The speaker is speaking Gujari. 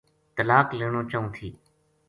طلاق لینو چاہوں تھی